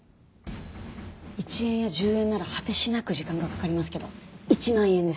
１円や１０円なら果てしなく時間がかかりますけど１万円です。